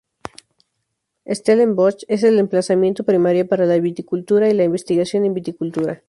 Stellenbosch es el emplazamiento primario para la viticultura y la investigación en viticultura.